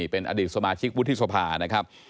เป็นอดีตสมาชิกวุฒิสภานะครับ